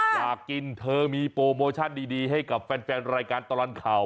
อยากกินเธอมีโปรโมชั่นดีให้กับแฟนรายการตลอดข่าว